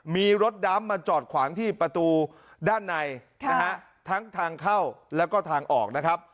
มีรถดำมาจอดขวางที่ประตูด้านในนะฮะทั้งทางเข้าแล้วก็ทางออกนะครับ